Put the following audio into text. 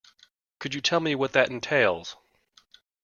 Could you tell me what that entails?